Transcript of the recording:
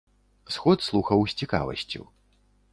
Сход слухаў з цікавасцю.